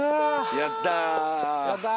やったー！